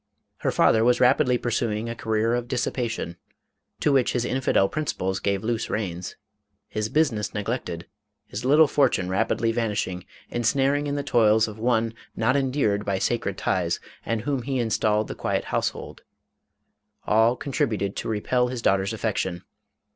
Her father was rapidly pursuing a career of dissipation, to which his infidel principles gave loose reins. His business neglected, his little fortune rapidly vanishing, ensnared in the toils of one not endeared by sacred ties and whom he installed in the quiet household — all contributed to re pel his daughter's affection.